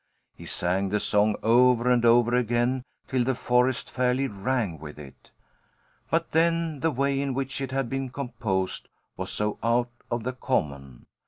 He sang the song over and over again, till the forest fairly rang with it. But then the way in which it had been composed was so out of the common!